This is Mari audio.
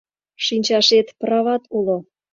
Шинчашет прават уло.